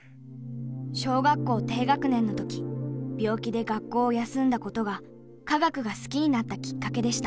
小学校低学年の時病気で学校を休んだことが科学が好きになったきっかけでした。